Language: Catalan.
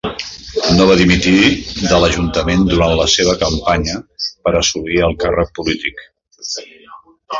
No va dimitir de l"ajuntament durant la seva campanya per assolir el càrrec polític.